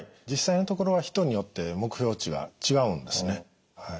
実際のところは人によって目標値が違うんですね。